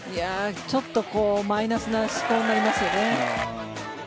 ちょっとマイナスな思考になりますよね。